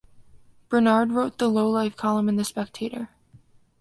Bernard wrote the "Low Life" column in "The Spectator".